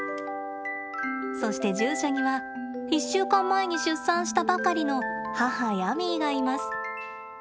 そして獣舎には１週間前に出産したばかりの母ヤミーがいます。